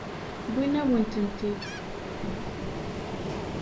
Wwin-awen-tent-id.